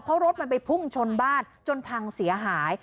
เพราะรถมันไปพุ่งชนบ้านจนพังเสียหาย